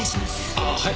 ああはい！